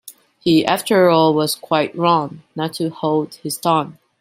He after all was quite wrong — not to hold his tongue.